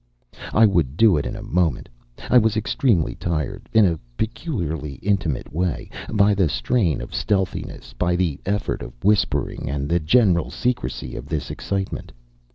I would do it in a moment. I was extremely tired, in a peculiarly intimate way, by the strain of stealthiness, by the effort of whispering and the general secrecy of this excitement.